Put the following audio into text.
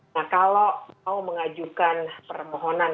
nah kalau mau mengajukan permohonan